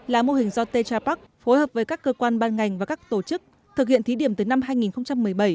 là mô hình do techra park phối hợp với các cơ quan ban ngành và các tổ chức thực hiện thí điểm từ năm hai nghìn một mươi bảy